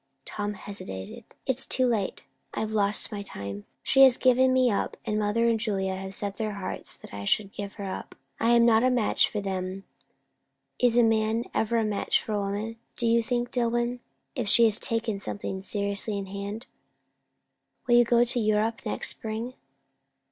Tom hesitated. "It's too late. I've lost my time. She has given me up, and mother and Julia have set their hearts that I should give her up. I am not a match for them. Is a man ever a match for a woman, do you think, Dillwyn, if she takes something seriously in hand?" "Will you go to Europe next spring?"